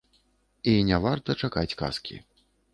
І не варта чакаць казкі.